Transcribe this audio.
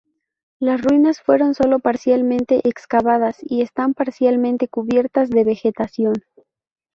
Las ruinas fueron solo parcialmente excavadas y están parcialmente cubiertas de vegetación.